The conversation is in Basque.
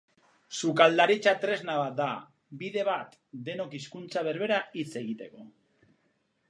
Sukaldaritza tresna bat da, bide bat, denok hizkuntza berbera hitz egiteko.